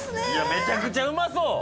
めちゃくちゃうまそう！